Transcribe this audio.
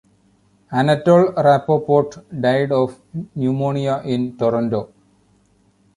Anatol Rapoport died of pneumonia in Toronto.